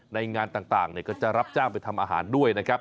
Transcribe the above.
ในงานต่างก็จะรับจ้างไปทำอาหารด้วยนะครับ